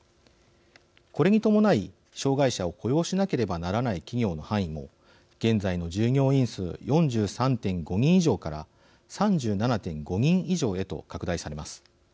これに伴い障害者を雇用しなければならない企業の範囲も現在の従業員数４３．５人以上から３７．５人以上へと拡大されます。